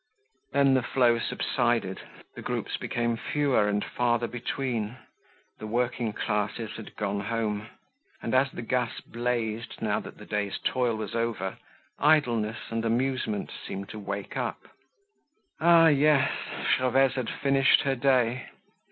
Then the flow subsided, the groups became fewer and farther between, the working classes had gone home; and as the gas blazed now that the day's toil was over, idleness and amusement seemed to wake up. Ah! yes; Gervaise had finished her day!